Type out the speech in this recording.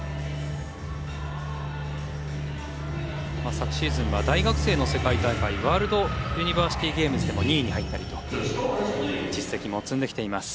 昨シーズンは大学生の世界大会ワールドユニバーシティゲームズでも２位に入ったりと実績も積んできています。